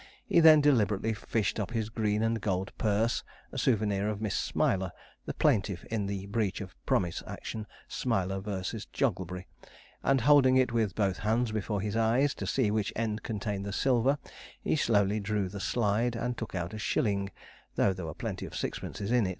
He then deliberately fished up his green and gold purse, a souvenir of Miss Smiler (the plaintiff in the breach of promise action, Smiler v. Jogglebury), and holding it with both hands before his eyes, to see which end contained the silver, he slowly drew the slide, and took out a shilling, though there were plenty of sixpences in.